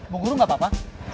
bu guru gak apa apa